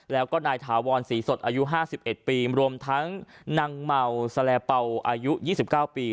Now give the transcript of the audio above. แล้วก็นายถาวรศรีสดอายุ๕๑ปีรวมทั้งนางเมาแซลเป่าอายุ๒๙ปี